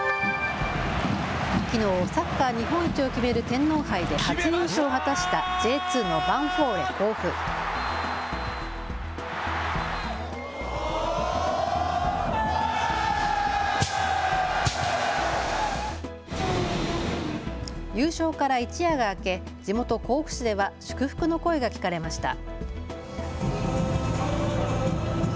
きのう、サッカー日本一を決める天皇杯で初優勝を果たしたＪ２のヴァンフォーレ甲府。優勝から一夜が明け地元、甲府市では祝福の声が聞かれました。